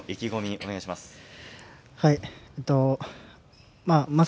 お願いします。